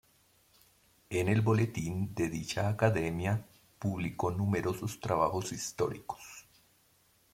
En el boletín de dicha Academia publicó numerosos trabajos históricos.